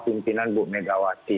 pimpinan bu medawati